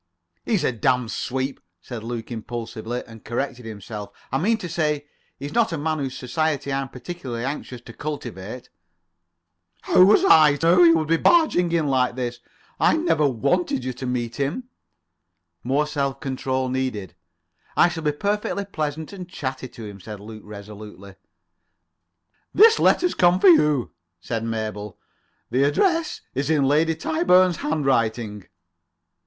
"He's a damned sweep," said Luke impulsively, and corrected himself. "I mean to say, he's not a man whose society I'm particularly anxious to cultivate." "How was I to know you would come barging in like this? I never wanted you to meet him." More self control needed. [Pg 25]"I shall be perfectly pleasant and chatty to him," said Luke resolutely. "This letter's just come for you," said Mabel. "The address is in Lady Tyburn's handwriting."